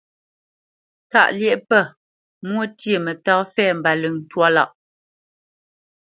Tâʼ lyeʼ pə, mwô ntyê mətá fɛ̂ mbáləŋ twâ lâʼ.